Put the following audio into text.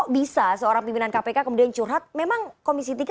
bisa seorang pimpinan kpk kemudian curhat memang komisi tiga sesensi itu ya